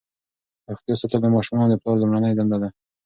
روغتیا ساتل د ماشومانو د پلار لومړنۍ دنده ده.